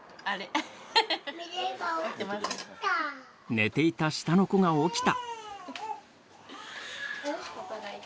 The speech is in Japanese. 寝ていた下の子が起きた。